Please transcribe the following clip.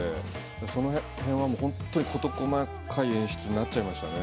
その辺は、本当に事細かい演出になっちゃいましたね。